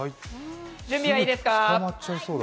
準備はいいですか？